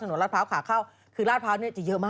อุ๊ยขาเข้าตรงนี้เลย